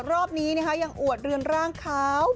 รอบนี้นะคะยังอวดเรือนร่างขาว